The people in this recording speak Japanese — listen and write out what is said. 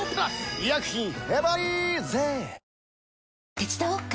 手伝おっか？